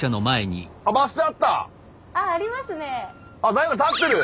誰か立ってる。